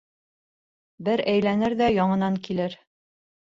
Бер әйләнер ҙә яңынан килер.